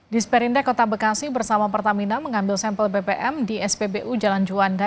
di sperinda kota bekasi bersama pertamina mengambil sampel bbm di spbu jalan juanda